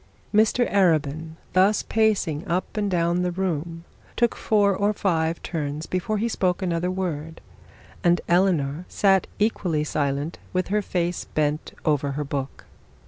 Mr Arabin, thus passing up and down the room, took four of five turns before he spoke another word, and Eleanor sat equally silent with her face bent over her book.